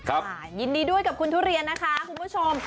ยินดีด้วยกับคุณทุเรียนนะคะคุณผู้ชม